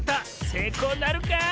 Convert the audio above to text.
せいこうなるか？